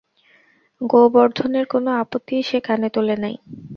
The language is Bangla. গোবর্ধনের কোনো আপত্তিই সে কানে তোলে নাই।